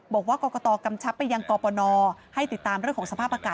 บอกว่ากรกตกำชับไปยังกรปนให้ติดตามเรื่องของสภาพอากาศ